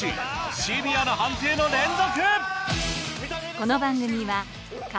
シビアな判定の連続！